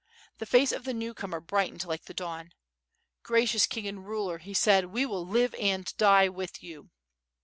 The face of the newcomer brightened like the dawn. "Gracious King and Ruler," he said, "we will live and die with you."